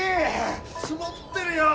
積もってるよ。